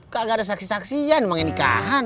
kak gak ada saksi saksian emangnya nikahan